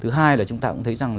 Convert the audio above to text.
thứ hai là chúng ta cũng thấy rằng